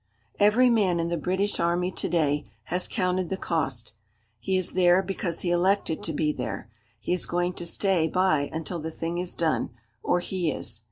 Every man in the British Army to day has counted the cost. He is there because he elected to be there. He is going to stay by until the thing is done, or he is.